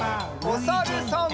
おさるさん。